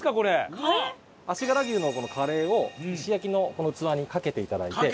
足柄牛のこのカレーを石焼のこの器にかけていただいて。